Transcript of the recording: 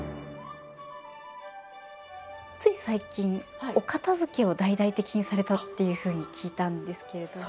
つい最近お片づけを大々的にされたっていうふうに聞いたんですけれども。